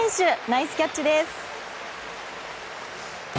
ナイスキャッチです。